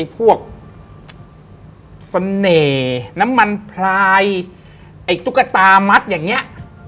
พวกเสน่ห์น้ำมันพลายไอ้ตุ๊กตามัดอย่างนี้